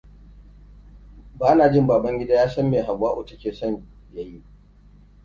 Ba na jin Babangida ya san me Hauwatu ta ke son ya yi.